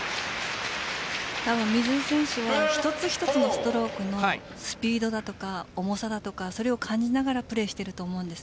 水井選手は一つ一つのストロークのスピードや重さそこを感じながらプレーしていると思うんです。